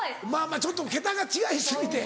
まぁちょっと桁が違い過ぎて。